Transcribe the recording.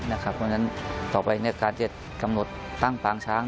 เพราะฉะนั้นต่อไปการจะกำหนดตั้งปางช้าง